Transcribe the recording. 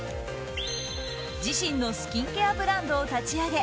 自身のスキンケアブランドを立ち上げ